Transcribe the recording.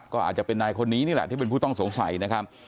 ก็อาจจะเป็นนายคนนี้นี่แหละที่เป็นผู้ต้องสงสัยนะครับ